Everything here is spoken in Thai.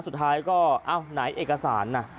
สุดท้ายก็เอ้าไหนเอกสารน่ะ